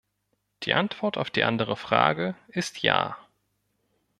Die Antwort auf die andere Frage ist Ja.